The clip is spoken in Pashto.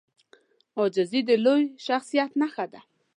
عاجزي د لوی شخصیت نښه ده.